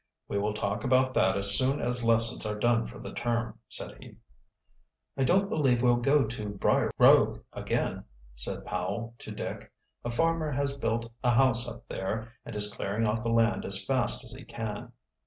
"We will talk about that as soon as lessons are done for the term," said he. "I don't believe we'll go to Brierroot Grove again," said Powell to Dick. "A farmer has built a house up there and is clearing off the land as fast as he can."